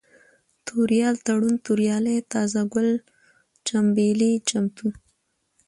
توريال ، تړون ، توريالی ، تازه گل ، چمبېلى ، چمتو